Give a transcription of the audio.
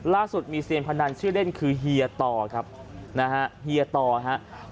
ล่าสุดมีเซียนพนันชื่อเล่นคือเฮียต่อครับนะฮะเฮียต่อครับ